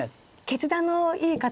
決断のいい方。